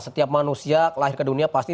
setiap manusia lahir ke dunia pasti